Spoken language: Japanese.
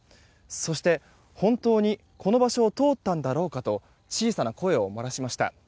そして本当にこの場所を通ったんだろうかと小さな声を漏らしました。